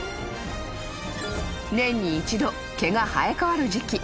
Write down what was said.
［年に一度毛が生え替わる時期］